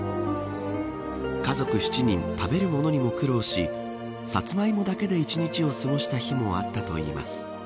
家族７人、食べるものにも苦労しサツマイモだけで一日を過ごした日もあったといいます。